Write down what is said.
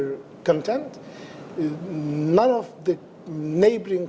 tidak ada negara negara yang berdekatan